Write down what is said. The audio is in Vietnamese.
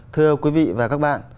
thưa quý vị và các bạn